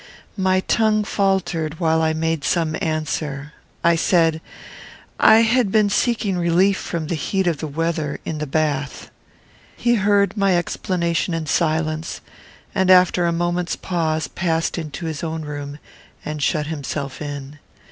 My tongue faltered while I made some answer. I said, "I had been seeking relief from the heat of the weather, in the bath." He heard my explanation in silence; and, after a moment's pause, passed into his own room, and shut himself in.